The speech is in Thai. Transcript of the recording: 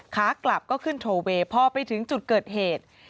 ขากลับก็ขึ้นโทเวย์พอไปถึงจุดเกิดเหตุ